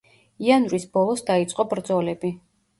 იანვრის ბოლოს დაიწყო ბრძოლები.